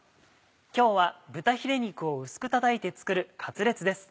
今日は豚ヒレ肉を薄くたたいて作るカツレツです。